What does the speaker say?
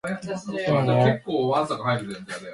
深夜に寝る